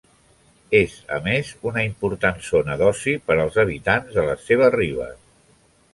És a més una important zona d'oci per als habitants de les seves ribes.